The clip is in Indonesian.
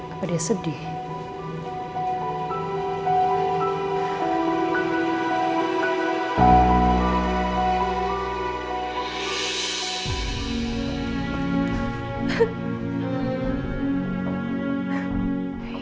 apa dia sedih